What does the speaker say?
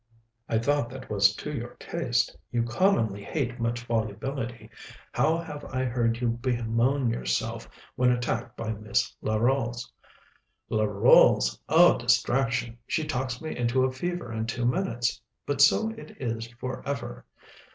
"I thought that was to your taste. You commonly hate much volubility. How have I heard you bemoan yourself when attacked by Miss Larolles!" "Larolles! Oh, distraction! she talks me into a fever in two minutes. But so it is for ever!